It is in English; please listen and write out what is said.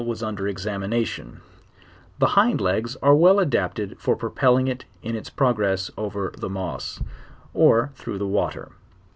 211 v/as under examination: the hind legs are well adapted for propelling it in its progress over the mo^s, 01* through th<2 water.